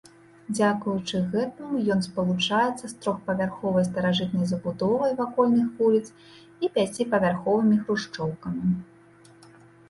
Дзякуючы гэтаму ён спалучаецца з трохпавярховай старажытнай забудовай вакольных вуліц і пяціпавярховымі хрушчоўкамі.